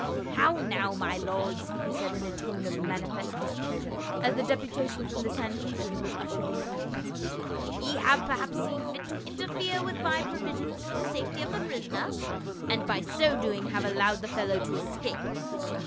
" How now, my lords," he said in a tone of mani fest displeasure, as the deputation from the Sanhedrim was ushered into his presence. "Ye have perhaps seen fit to interfere with my provisions for the safety of the prisoner, and by so doing have allowed the fel low to escape."